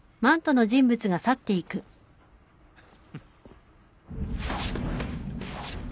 フフ。